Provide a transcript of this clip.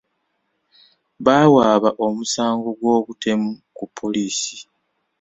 Baawaaba omusango gw'obutemu ku poliisi.